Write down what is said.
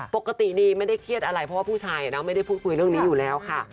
ปกติดีไม่ได้เครียดอะไรเพราะว่าผู้ชายไม่ได้พูดคุยเรื่องนี้อยู่แล้วค่ะ